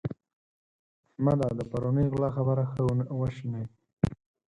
احمده! د پرونۍ غلا خبره ښه وشنئ.